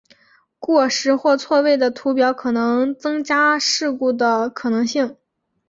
过时或错位的图表可能增加事故的可能性。